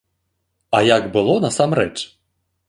А як было насамрэч?